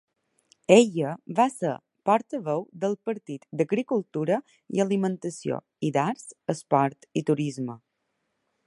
Ella va ser portaveu del partit d'Agricultura i alimentació i d'Arts, esport i turisme.